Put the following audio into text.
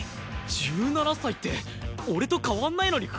１７歳って俺と変わんないのにフランス代表！？